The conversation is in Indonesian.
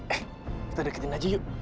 eh kita deketin aja yuk